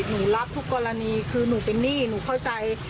หนูรับทุกกรณีคือหนูเป็นหนี้หนูเข้าใจ